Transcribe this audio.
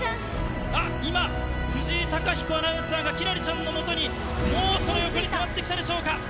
あっ、今、藤井貴彦アナウンサーが、輝星ちゃんのもとに、もうその横に迫ってきたでしょうか。